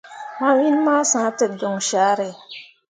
Ma win ma sah te jon carré.